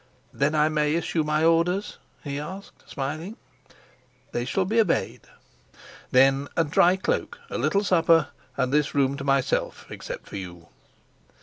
"Then I may issue my orders?" he asked, smiling. "They shall be obeyed." "Then a dry cloak, a little supper, and this room to myself, except for you."